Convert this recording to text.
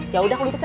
ya udah aku gitu ce